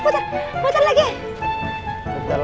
perut gue kok jadi mulus gini sih